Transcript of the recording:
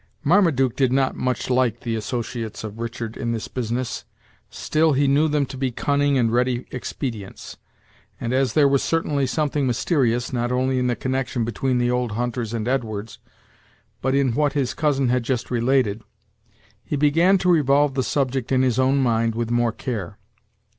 Marmaduke did not much like the associates of Richard in this business; still he knew them to be cunning and ready expedients; and as there was certainly something mysterious, not only in the connection between the old hunters and Edwards, but in what his cousin had just related, he began to revolve the subject in his own mind with more care.